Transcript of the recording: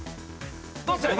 どうする？